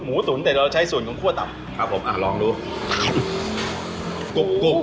หมูตุ๋นแต่เราใช้ส่วนของขั้วตับครับผมอ่ะลองดู